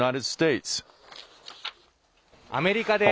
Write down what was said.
アメリカでは。